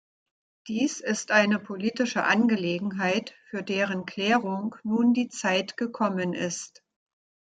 Dies ist eine politische Angelegenheit, für deren Klärung nun die Zeit gekommen ist.